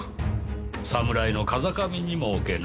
侍の風上にも置けぬ。